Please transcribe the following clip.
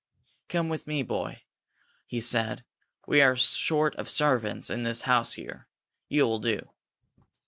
"Come with me, boy," he said. "We are short of servants in the house here. You will do."